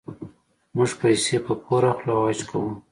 موږ پیسې په پور اخلو او حج کوو.